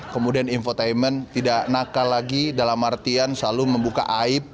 kemudian infotainment tidak nakal lagi dalam artian selalu membuka aib